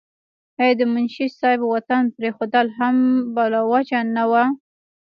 او د منشي صېب وطن پريښودل هم بلاوجه نه وو